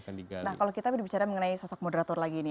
nah kalau kita berbicara mengenai sosok moderator lagi ini